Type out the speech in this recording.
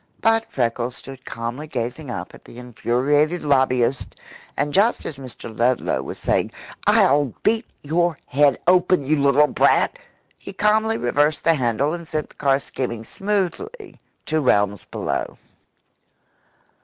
But Freckles stood calmly gazing up at the infuriated lobbyist, and just as Mr. Ludlow was saying, "I'll beat your head open, you little brat!" he calmly reversed the handle and sent the car skimming smoothly to realms below.